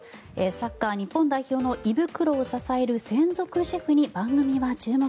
サッカー日本代表の胃袋を支える専属シェフに番組は注目。